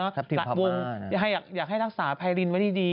ตัดวงอยากให้รักษาไพรินไว้ดี